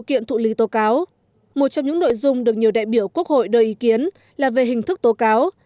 một trong những nội dung được nhiều đại biểu quốc hội đưa ý kiến là về hình thức tố cáo